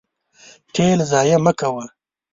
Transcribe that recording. تیل ضایع مه کوه.